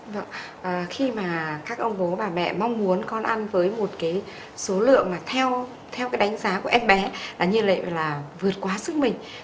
vâng khi mà các ông bố bà mẹ mong muốn con ăn với một cái số lượng mà theo cái đánh giá của em bé là như lệ là vượt quá sức mình